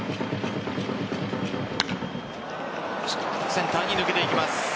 センターに抜けていきます。